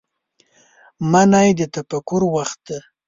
منی د تفکر وخت دی